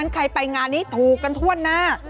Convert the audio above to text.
ใครไปงานนี้ถูกกันทั่วหน้า